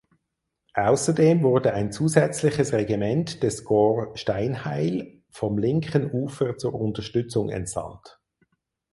Außerdem wurde ein zusätzliches Regiment des Korps Steinheil vom linken Ufer zur Unterstützung entsandt.